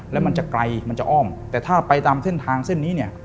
แล้วมันจะไกลมันจะอ้อมแต่ถ้าไปตามเส้นทางเส้นนี้เนี่ย